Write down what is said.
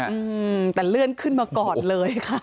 อืมแต่เลื่อนขึ้นมาก่อนเลยค่ะ